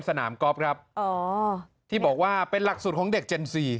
สนามกอล์ฟครับอ๋อที่บอกว่าเป็นหลักสูตรของเด็กเจนซี